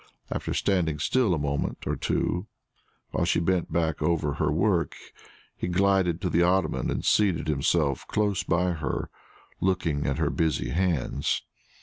After standing still a moment or two, while she bent over her work, he glided to the ottoman and seated himself close by her, looking at her busy hands.